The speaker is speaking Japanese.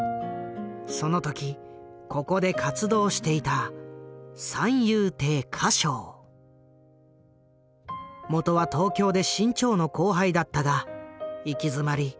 その時ここで活動していたもとは東京で志ん朝の後輩だったが行き詰まり